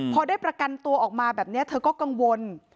พอได้ประกันตัวออกมาแบบนี้เธอก็กังวล